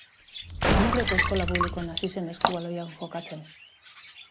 Amurrioko eskola publikoan hasi zen eskubaloian jokatzen.